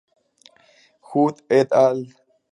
Hull et al.